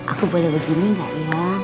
aku boleh begini gak ya